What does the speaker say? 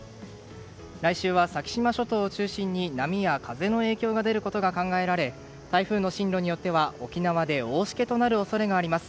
来週は先島諸島を中心に波や風の影響が出ることが考えられ台風の進路によっては沖縄で大しけとなる恐れがあります。